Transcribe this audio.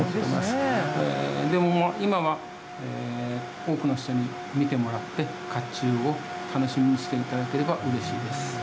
でも今は多くの人に見てもらってかっちゅうを楽しみにしていただければうれしいです。